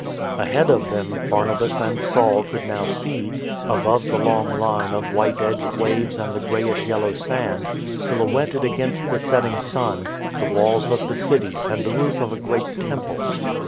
Ahead of them, Barnabas and Saul could now see, above the long line of white edged waves and the greyish yellow sand, silhouetted against the set ting sun, the walls of the city and the roof of a great temple.